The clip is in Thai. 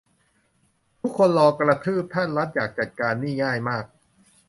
ทุกคนรอกระทืบ ถ้ารัฐอยากจัดการนี่ง่ายมาก